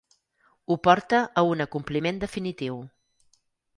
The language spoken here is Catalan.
Ho porta a un acompliment definitiu.